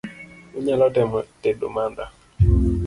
Inyalo temo tedo manda?